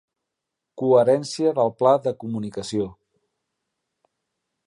Coherència del pla de comunicació.